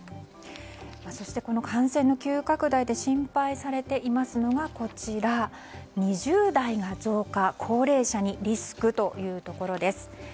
そして、この感染急拡大で心配されていますのが２０代が増加高齢者にリスクというところです。